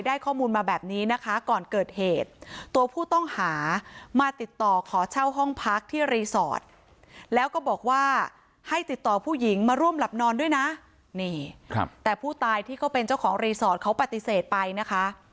ข้อมูลมาแบบนี้นะคะก่อนเกิดเหตุตัวผู้ต้องหามาติดต่อขอเช่าห้องพักที่รีสอร์ทแล้วก็บอกว่าให้ติดต่อผู้หญิงมาร่วมหลับนอนด้วยนะนี่ครับแต่ผู้ตายที่เขาเป็นเจ้าของรีสอร์ทเขาปฏิเสธไปนะคะ